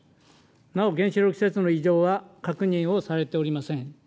なお原子力施設の異常は確認をされておりません。